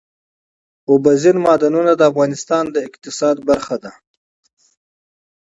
اوبزین معدنونه د افغانستان د اقتصاد برخه ده.